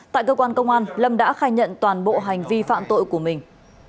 tại cơ quan công an lâm đã khai nhận toàn bộ hành vi phạm tội của mình